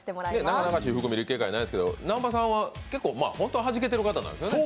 なかなか私服見る機会ないですけど、南波さんは本当ははじけてる方なんですよね？